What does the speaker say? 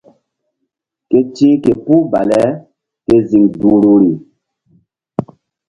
Ke ti̧h ke puh baleke ziŋ duhruri.